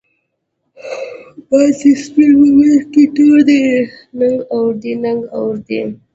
باندی سپین په منځ کی تور دی، نګه اوردی؛ نګه اوردی